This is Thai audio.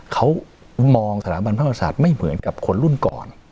เขามองสถาบันพระมหาศาสตร์ไม่เหมือนกับคนรุ่นก่อน